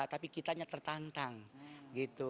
tapi kitanya tertantang gitu